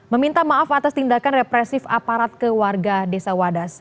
meminta maaf atas tindakan represif aparat ke warga desa wadas